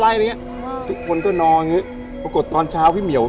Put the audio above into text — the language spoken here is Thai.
อะไรอย่างเงี้ยทุกคนก็นอนอย่างเงี้ปรากฏตอนเช้าพี่เหมียว